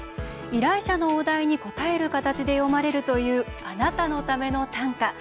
依頼者のお題に応える形で詠まれるという「あなたのための短歌」。